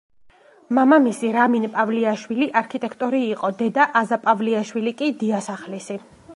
მამამისი, რამინ პავლიაშვილი, არქიტექტორი იყო, დედა, აზა პავლიაშვილი კი დიასახლისი.